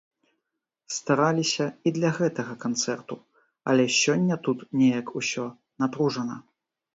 Стараліся і для гэтага канцэрту, але сёння тут неяк усё напружана.